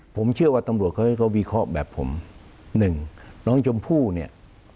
ผมเชื่อว่าตำรวจเขาก็วิเคราะห์แบบผมหนึ่งน้องชมพู่เนี่ย